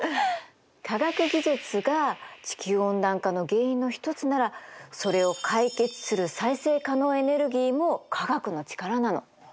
科学技術が地球温暖化の原因の一つならそれを解決する再生可能エネルギーも科学の力なの。